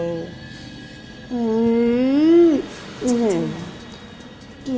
อื้ม